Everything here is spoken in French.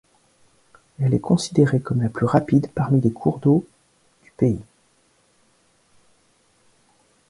Elle est considérée comme la plus rapide parmi les cours d'eau du pays.